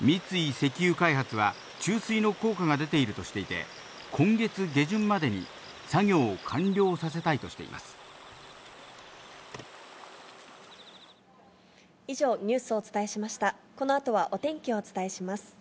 三井石油開発は、注水の効果が出ているとしていて、今月下旬までに作業を完了させたお天気をお伝えします。